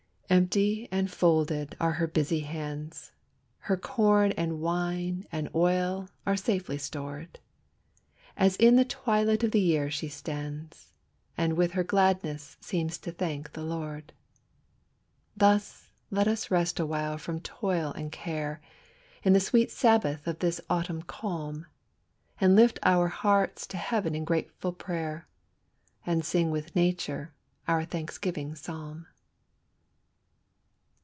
Empty and folded are her busy hands; Her corn and wine and oil are safely stored, As in the twilight of the year she stands, And with her gladness seems to thank the Lord. Thus let us rest awhile from toil and care, In the sweet sabbath of this autumn calm, And lift our hearts to heaven in grateful prayer, And sing with nature our thanksgiving psalm.